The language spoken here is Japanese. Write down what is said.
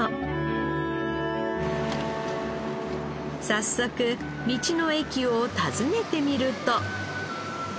早速道の駅を訪ねてみると。